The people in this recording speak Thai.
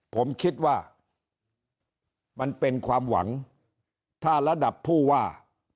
ผมคิดว่ามันเป็นความหวังถ้าระดับผู้ว่า